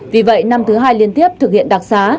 vì vậy năm thứ hai liên tiếp thực hiện đặc xá